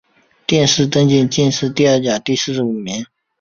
殿试登进士第二甲第四十五名。